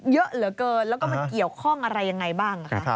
เยอะเหลือเกินแล้วก็มันเกี่ยวข้องอะไรยังไงบ้างคะ